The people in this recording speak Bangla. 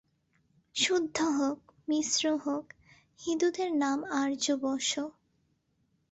শুদ্ধ হোক, মিশ্র হোক, হিঁদুদের নাম আর্য, বস্।